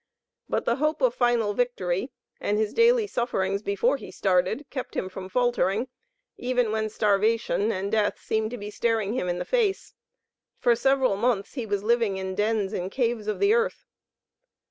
But the hope of final victory and his daily sufferings before he started, kept him from faltering, even when starvation and death seemed to be staring him in the face. For several months he was living in dens and caves of the earth.